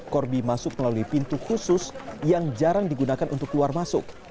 corby masuk melalui pintu khusus yang jarang digunakan untuk keluar masuk